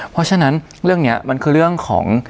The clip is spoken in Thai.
เพราะฉะนั้นเรื่องนี้มันคือเรื่องของ